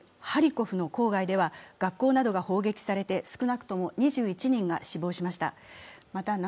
ハリコフの郊外では学校などが砲撃されて少なくとも２１人が死亡しました。